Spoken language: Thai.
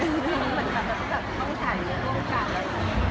ผมแบบว่าต้องห่ายเรื่องโลกการเลย